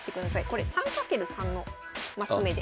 これ３×３のマス目で。